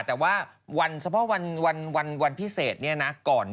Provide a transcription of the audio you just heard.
แต่วันสะพ่อวันพิเศษเนี่ยนะ